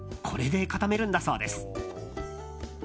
これで固めるんだそうです。